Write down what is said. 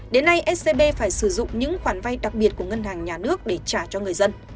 đến nay scb phải sử dụng những khoản vay đặc biệt của ngân hàng nhà nước để trả cho người dân